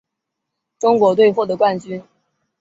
中国队获得冠军。